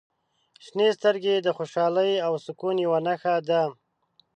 • شنې سترګې د خوشحالۍ او سکون یوه نښه دي.